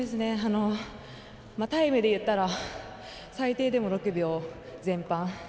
タイムでいったら最低でも６秒前半。